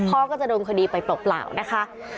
พ่อก็จะโดนคดีไปเปล่านะคะ